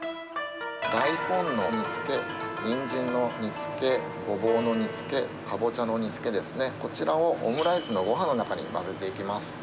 大根の煮つけ、にんじんの煮つけ、ごぼうの煮つけ、かぼちゃの煮つけですね、こちらをオムライスのごはんの中に混ぜていきます。